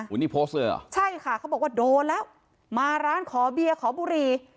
วันนี้โพสต์เลยเหรอใช่ค่ะเขาบอกว่าโดนแล้วมาร้านขอเบียร์ขอบุหรี่